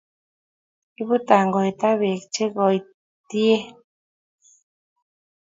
Ibuu tongoita beek che koitien